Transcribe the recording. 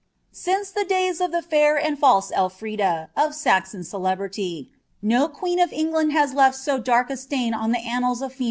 8t\CE the days of ihe fair and false ElTrida, of Saxon celrf (jueeti of England has left so dark a slain on ihe annals of fniia!